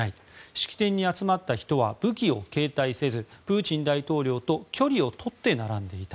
式典に集まった人は武器を携帯せずプーチン大統領と距離を取って並んでいた。